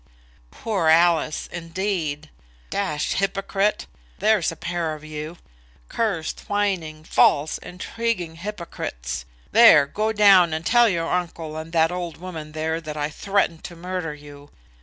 "Poor Alice, indeed! D hypocrite! There's a pair of you; cursed, whining, false, intriguing hypocrites. There; go down and tell your uncle and that old woman there that I threatened to murder you.